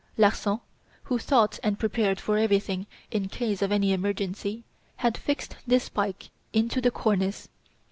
Larsan, who thought and prepared for everything in case of any emergency, had fixed this spike into the cornice.